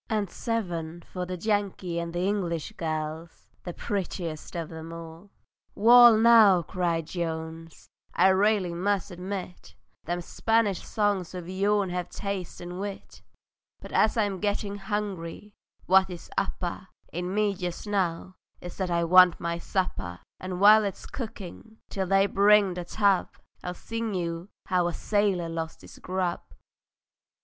And seven for the Yankee and English girls, The prettiest of them all! "Wall now," cried Jones, "I railly must admit, Them Spanish songs of yourn hev taste and wit; But as I'm gettin' hungry, what is upper In me just now is that I want my supper; And while it's cookin', till they bring the tub, I'll sing you how a sailor lost his grub."